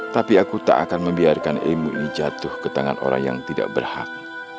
tapi aku tak akan membiarkan ilmu ini jatuh ke tangan orang yang tidak berhak